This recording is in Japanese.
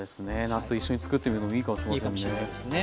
夏一緒に作ってみるのもいいかもしれませんね。